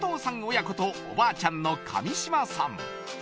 親子とおばあちゃんの上嶋さん